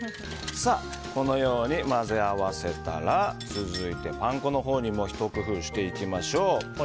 このように混ぜ合わせたら続いてパン粉のほうにもひと工夫していきましょう。